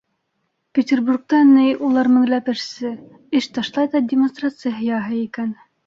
Петербургта ни улар меңләп эшсе:эш ташлай ҙа демонстрация яһай икән.